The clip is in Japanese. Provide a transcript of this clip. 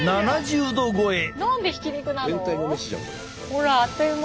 ほらあっという間。